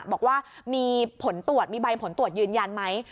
บอกว่ามีผลตรวจมีใบผลตรวจยืนยันไหม